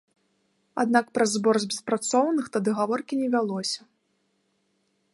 Аднак пра збор з беспрацоўных тады гаворкі не вялося.